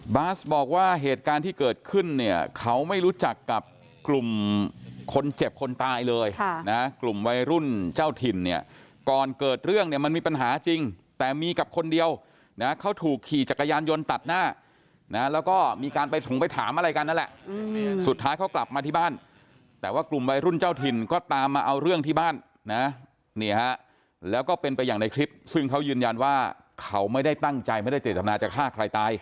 บาสบอกว่าเหตุการณ์ที่เกิดขึ้นเนี่ยเขาไม่รู้จักกับกลุ่มคนเจ็บคนตายเลยนะกลุ่มวัยรุ่นเจ้าถิ่นเนี่ยก่อนเกิดเรื่องเนี่ยมันมีปัญหาจริงแต่มีกับคนเดียวนะเขาถูกขี่จักรยานยนต์ตัดหน้านะแล้วก็มีการไปถงไปถามอะไรกันนั่นแหละสุดท้ายเขากลับมาที่บ้านแต่ว่ากลุ่มวัยรุ่นเจ้าถิ่นก็ตามมาเอาเรื่องท